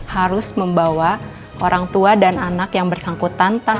harus membawa orang tua dan anak yang bersangkutan